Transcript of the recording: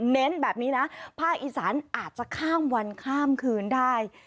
เน้นแบบนี้นะภาคอีสานอาจจะข้ามวันข้ามคืนได้